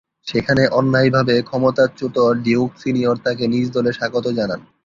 সেখানে অন্যায়ভাবে ক্ষমতাচ্যুত ডিউক সিনিয়র তাঁকে নিজ দলে স্বাগত জানান।